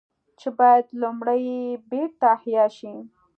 چې بايد لومړی بېرته احياء شي